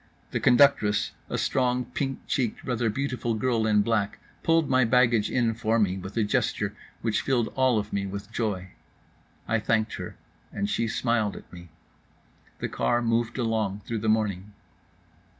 The conductress, a strong, pink cheeked, rather beautiful girl in black, pulled my baggage in for me with a gesture which filled all of me with joy. I thanked her, and she smiled at me. The car moved along through the morning.